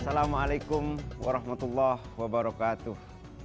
assalamualaikum warahmatullah wabarakatuh